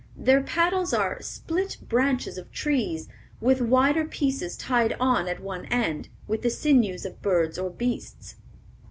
Their paddles are "split branches of trees, with wider pieces tied on at one end, with the sinews of birds or beasts."